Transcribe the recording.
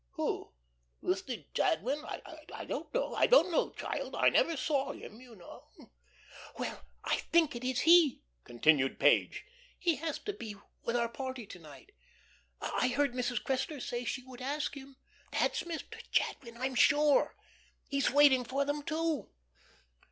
"Who? Mr. Jadwin? I don't know. I don't know, child. I never saw him, you know." "Well I think it is he," continued Page. "He was to be with our party to night. I heard Mrs. Cressler say she would ask him. That's Mr. Jadwin, I'm sure. He's waiting for them, too."